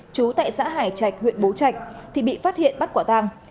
trú tại xã hải trạch huyện bố trạch thì bị phát hiện bắt quả tàng